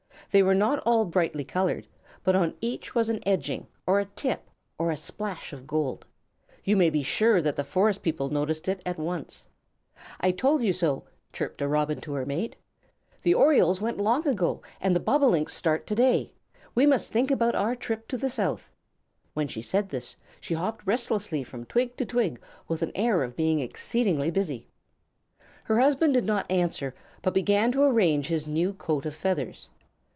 They were not all brightly colored, but on each was an edging, or a tip, or a splash of gold. You may be sure that the Forest People noticed it at once. "I told you so," chirruped a Robin to her mate. "The Orioles went long ago, and the Bobolinks start to day. We must think about our trip to the South." When she said this, she hopped restlessly from twig to twig with an air of being exceedingly busy. Her husband did not answer, but began to arrange his new coat of feathers.